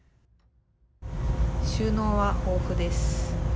収納は豊富です。